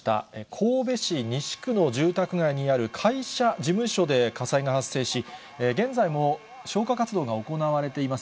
神戸市西区の住宅街にある会社事務所で火災が発生し、現在も消火活動が行われています。